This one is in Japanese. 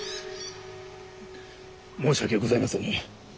申し訳ございません。